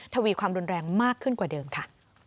ทวีความรุนแรงมากขึ้นกว่าเดิมค่ะ